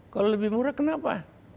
kalau lebih murah kenapa